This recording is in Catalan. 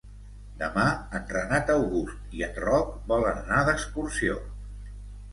Demà en Renat August i en Roc volen anar d'excursió.